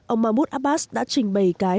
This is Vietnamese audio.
ông mahmoud abbas đã trình bày cái